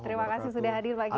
terima kasih sudah hadir pak kiai